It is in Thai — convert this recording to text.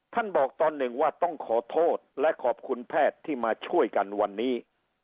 บอกตอนหนึ่งว่าต้องขอโทษและขอบคุณแพทย์ที่มาช่วยกันวันนี้